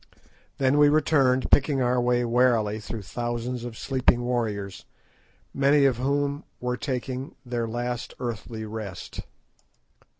Then we returned, picking our way warily through thousands of sleeping warriors, many of whom were taking their last earthly rest.